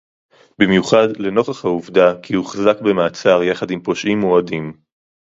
במיוחד לנוכח העובדה כי הוחזק במעצר יחד עם פושעים מועדים